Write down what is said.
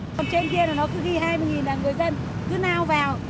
còn trên kia nó cứ ghi hai mươi là người dân cứ nao vào